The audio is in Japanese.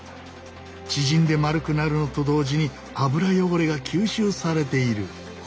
縮んで丸くなるのと同時に油汚れが吸収されている。